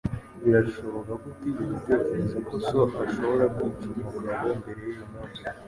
Birashoboka ko utigeze utekereza ko so ashobora kwica umugabo mbere yuyu munsi.